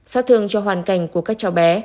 so sương cho hoàn cảnh của các cháu bé